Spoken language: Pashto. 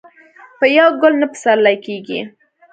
په یو ګل نه پسرلی کېږي